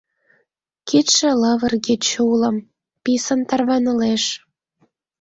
Кидше лывырге, чулым — писын тарванылеш.